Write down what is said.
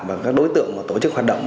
và các đối tượng và tổ chức hoạt động